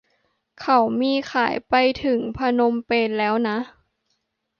เขามีขายไปถึงพนมเปญแล้วนะ